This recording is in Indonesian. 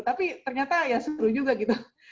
jadi ternyata ya seru juga gitu